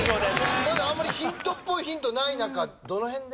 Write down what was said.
まだあんまりヒントっぽいヒントない中どの辺で？